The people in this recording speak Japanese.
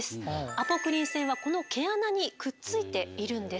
アポクリン腺はこの毛穴にくっついているんです。